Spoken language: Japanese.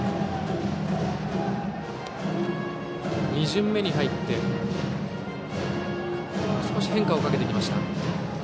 ２巡目に入ってここは変化をかけてきました。